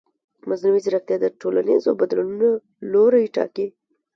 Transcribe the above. مصنوعي ځیرکتیا د ټولنیزو بدلونونو لوری ټاکي.